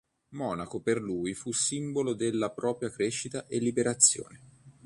Monaco per lui fu il simbolo della propria crescita e liberazione.